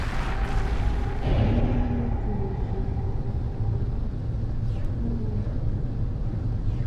Mé nyé té jʉʼ púʼu.